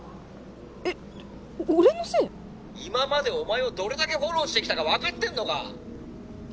「今までお前をどれだけフォローしてきたか分かってんのか？」。